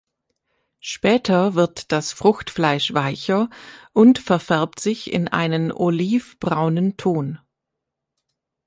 Später wird das Fruchtfleisch weicher und verfärbt sich in einen olivbraunen Ton.